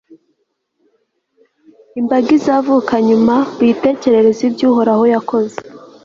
imbaga izavuka nyuma ruyitekerereze ibyo uhoraho yakoze